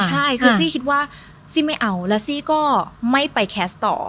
ใช่คือซี่คิดว่าซี่ไม่เอาแล้วซี่ก็ไม่ไปแคสต์ต่อ